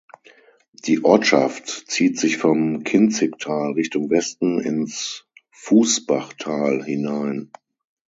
Die Ortschaft zieht sich vom Kinzigtal Richtung Westen ins Fußbachtal hinein.